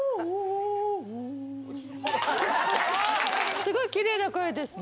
すごいきれいな声ですね。